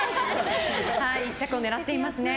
１着を狙っていますね。